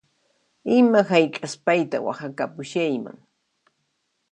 Ima hayk'as payta waqhakapushayman